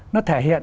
nó thể hiện